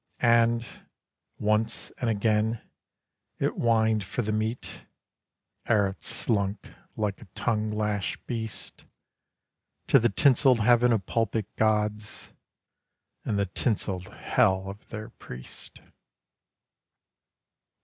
And, once and again, It whined for the Meat; ere It slunk, like a tongue lashed beast, To the tinselled heaven of pulpit gods and the tinselled hell of their priest.